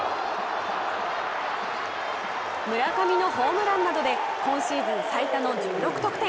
村上のホームランなどで今シーズン最多の１６得点。